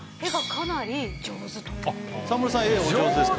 あっ沢村さん絵お上手ですか。